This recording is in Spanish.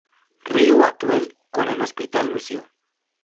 Río Atuel con el Hospital Lucio.